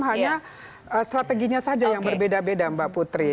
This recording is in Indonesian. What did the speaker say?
hanya strateginya saja yang berbeda beda mbak putri